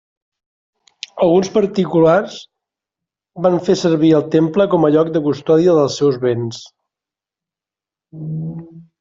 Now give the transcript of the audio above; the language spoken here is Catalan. Alguns particulars van fer servir el temple com a lloc de custòdia dels seus béns.